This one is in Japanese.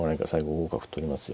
５五角取りますよ。